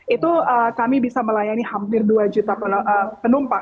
itu kami bisa melayani hampir dua juta penumpang